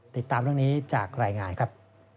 ติดตามเรื่องนี้จากรายงานครับ